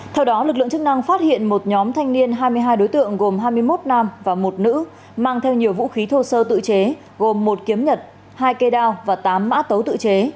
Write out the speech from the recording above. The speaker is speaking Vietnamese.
theo đó lực lượng chức năng phát hiện một nhóm thanh niên hai mươi hai đối tượng gồm hai mươi một nam và một nữ mang theo nhiều vũ khí thô sơ tự chế gồm một kiếm nhật hai cây đao và tám mã tấu tự chế